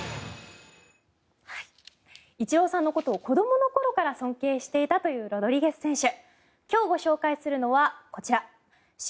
イチローさんのことを子どもの頃から尊敬していたというロドリゲス選手。